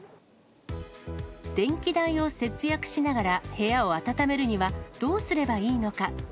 電気代を節約しながら部屋を暖めるにはどうすればいいのか。